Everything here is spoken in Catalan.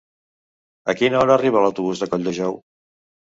A quina hora arriba l'autobús de Colldejou?